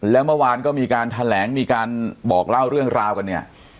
แล้วเมื่อวานก็มีการแถลงมีการบอกเล่าเรื่องราวกันเนี่ย